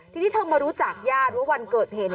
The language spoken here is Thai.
ทีนี้เธอมารู้จักญาติว่าวันเกิดเหตุ